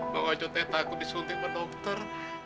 bang ojo takut disuntik ke dokter